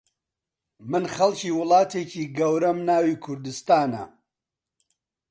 من خەڵکی وڵاتێکی گەورەم ناوی کوردستانە